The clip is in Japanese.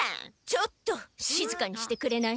ちょっとしずかにしてくれない？